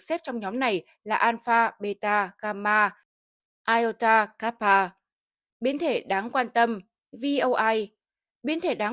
xếp trong nhóm này là alpha beta gamma iota kapa biến thể đáng quan tâm voi biến thể đáng